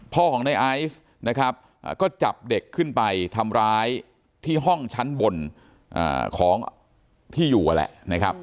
ของในไอซ์นะครับก็จับเด็กขึ้นไปทำร้ายที่ห้องชั้นบนของที่อยู่นั่นแหละนะครับ